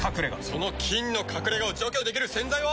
その菌の隠れ家を除去できる洗剤は。